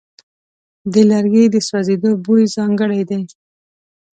د لرګي د سوځېدو بوی ځانګړی دی.